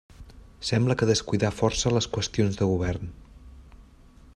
Sembla que descuidà força les qüestions de govern.